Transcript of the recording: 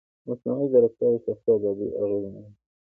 مصنوعي ځیرکتیا د شخصي ازادۍ اغېزمنوي.